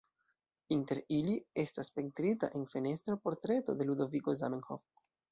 Inter ili estas pentrita en fenestro, portreto de Ludoviko Zamenhof.